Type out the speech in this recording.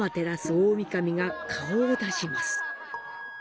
大御神が顔を出します。